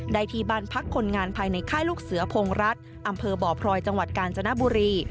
ที่บ้านพักคนงานภายในค่ายลูกเสือพงรัฐอำเภอบ่อพลอยจังหวัดกาญจนบุรี